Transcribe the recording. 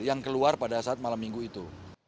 yang keluar pada saat malam minggu itu